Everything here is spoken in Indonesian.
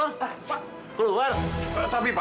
enggak enggak enggak ayo kau berdua